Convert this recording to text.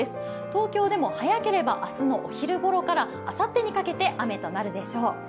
東京でも早ければ明日のお昼頃からあさってにかけて雨となるでしょう。